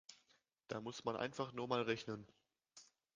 Da muss man einfach nur mal rechnen.